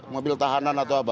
mobil tahanan atau apa